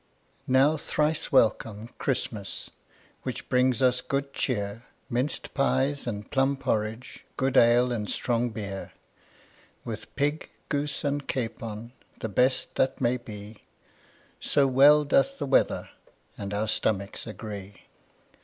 Now thrice welcome, Christmas, Which brings us good cheer, Minced pies and plum porridge, Good ale and strong beer; With pig, goose, and capon, The best that may be, So well doth the weather And our stomachs agree.